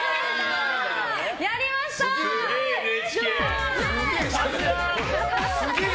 やりましたー！